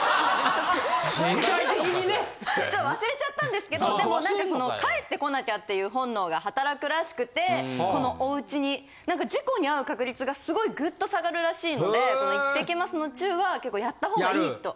ちょっと忘れちゃったんですけどでも何か帰ってこなきゃっていう本能が働くらしくてこのおうちになんか事故にあう確率がすごいグッと下がるらしいので「行ってきます」のチューは結構やったほうがいいと。